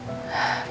ini yang tadi